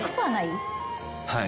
はい。